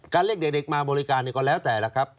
เรียกเด็กมาบริการก็แล้วแต่ละครับ